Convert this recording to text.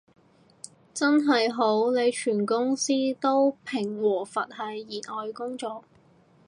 真係好，你全公司都平和佛系熱愛工作